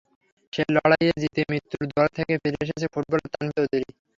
সেই লড়াইয়ে জিতে মৃত্যুর দুয়ার থেকে ফিরে এসেছেন ফুটবলার তানভীর চৌধুরী।